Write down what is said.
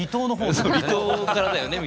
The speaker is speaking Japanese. そう「離島からだよね」。